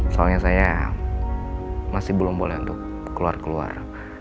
soalnya saya masih belum boleh untuk keluar keluar